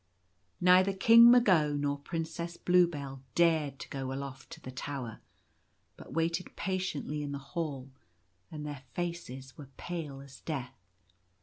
Neither King Mago nor Princess Bluebell dared to go aloft to the tower, but waited patiently in the hall ; and their faces were pale as death.